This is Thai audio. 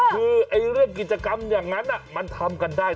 คือเรื่องกิจกรรมอย่างนั้นมันทำกันได้